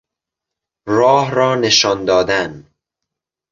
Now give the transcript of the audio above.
راه را نشان دادن